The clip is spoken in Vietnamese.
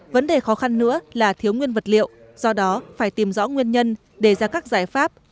vấn đề khó khăn nữa là thiếu nguyên vật liệu do đó phải tìm rõ nguyên nhân đề ra các giải pháp